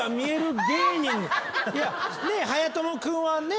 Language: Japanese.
はやとも君はね